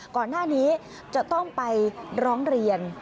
ก่อนหน้านี้จะต้องไปร้องเรียน